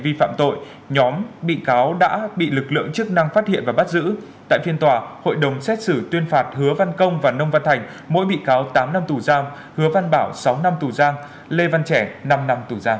vì phạm tội nhóm bị cáo đã bị lực lượng chức năng phát hiện và bắt giữ tại phiên tòa hội đồng xét xử tuyên phạt hứa văn công và nông văn thành mỗi bị cáo tám năm tù giam hứa văn bảo sáu năm tù giam lê văn trẻ năm năm tù giam